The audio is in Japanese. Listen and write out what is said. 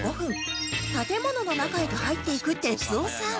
建物の中へと入っていく哲夫さん